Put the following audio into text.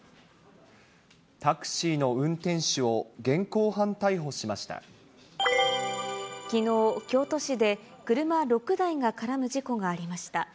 タクシーの運転手を現行犯逮きのう、京都市で車６台が絡む事故がありました。